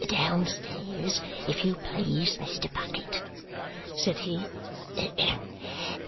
"Downstairs, if you please, Mr. Bucket," said he.